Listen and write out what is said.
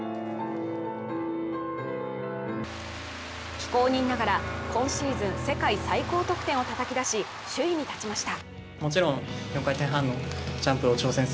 非公認ながら、今シーズン世界最高得点をたたき出し、首位に立ちました。